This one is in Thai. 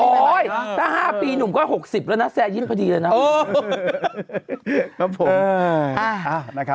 โอ๊ยถ้า๕ปีหนูก็๖๐แล้วนะแซ่ยิ้มพอดีเลยนะ